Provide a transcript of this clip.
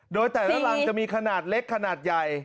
โดยแต่ละรังจะมีขนาดเล็กขนาดใหญ่